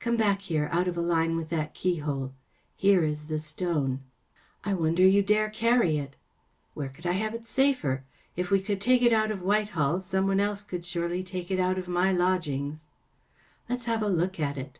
Come back here, out of a line with that keyhole. Here is the stone.‚ÄĚ " I wonder you dare carry it.‚ÄĚ “ Where could I have it safer ? If we could take it out of Whitehall someone else could surely take it out of my lodgings.‚ÄĚ ‚ÄĚ Let's have a look at it."